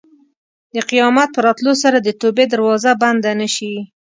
د قیامت په راتلو سره د توبې دروازه بنده نه شي.